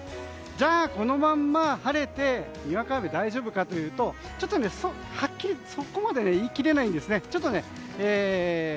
じゃあ、このまま晴れてにわか雨は大丈夫かというとはっきりそこまでは言い切れないんですね。